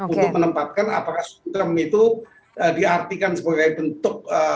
untuk menempatkan apakah sistem itu diartikan sebagai bentuk